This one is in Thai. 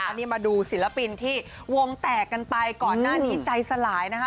อันนี้มาดูศิลปินที่วงแตกกันไปก่อนหน้านี้ใจสลายนะคะ